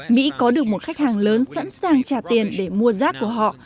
mỹ có được một khách hàng lớn sẵn sàng trả tiền để mua rác của họ